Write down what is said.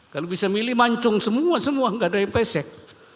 kalau bisa milih mancong semua semua nggak ada yang pesek